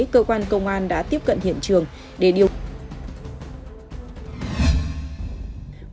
cơ quan công an đã tiếp cận hiện trường để điều